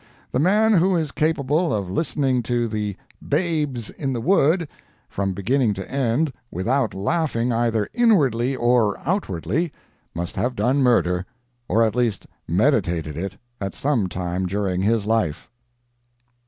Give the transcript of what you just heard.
The man who is capable of listening to the 'Babes in the Wood' from beginning to end without laughing either inwardly or outwardly must have done murder, or at least meditated it, at some time during his life."